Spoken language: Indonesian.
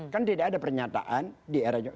kan tidak ada pernyataan di era jokowi